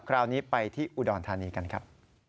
คราวนี้ไปที่อุดรธานีกันครับ